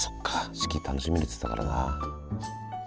四季楽しみにっつってたからな。